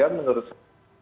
ya menurut saya